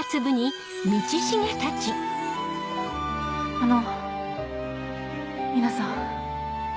あの皆さん。